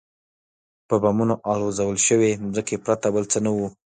په بمانو الوزول شوې ځمکې پرته بل څه نه وو.